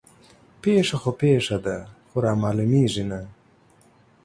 پيښه خو پيښه ده خو رامعلومېږي نه